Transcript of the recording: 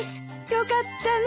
よかったね。